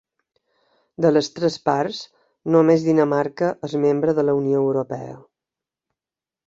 De les tres parts, només Dinamarca és membre de la Unió Europea.